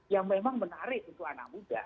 yang memang menarik untuk anak muda